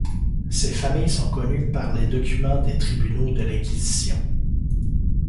Ces familles sont connues par les documents des tribunaux de l'Inquisition.